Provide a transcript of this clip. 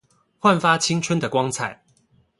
煥發青春的光彩